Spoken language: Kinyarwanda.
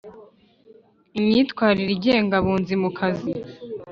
imyitwarire igenga abunzi mu kazi